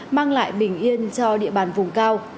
mang lại bình yên cho địa bàn vùng cao